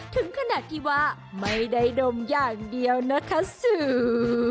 ถึงขนาดที่ว่าไม่ได้ดมอย่างเดียวนะคะสื่อ